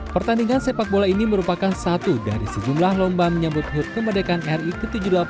pertandingan sepak bola ini merupakan satu dari sejumlah lomba menyambut hut kemerdekaan ri ke tujuh puluh delapan